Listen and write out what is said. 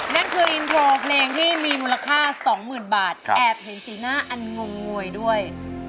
นั่นคืออินโทรเพลงที่มีมูลค่า๒๐๐๐บาทแอบเห็นสีหน้าอันงวยด้วย